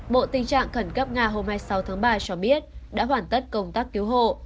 bộ tình trạng khẩn cấp nga hôm hai mươi sáu tháng ba cho biết đã hoàn tất công tác cứu hộ